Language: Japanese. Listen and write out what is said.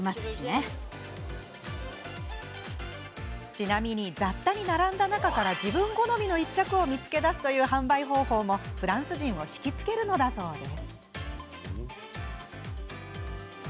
ちなみに、雑多に並んだ中から自分好みの１着を見つけ出すという販売方法もフランス人を引きつけるのだそうで。